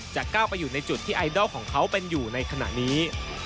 ก้าวไปอยู่ในจุดที่ไอดอลของเขาเป็นอยู่ในขณะนี้